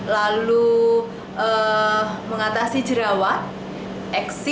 lalu mengatasi jerawat eksim